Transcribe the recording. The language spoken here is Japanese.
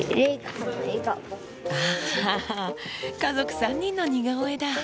ああ、家族３人の似顔絵だ。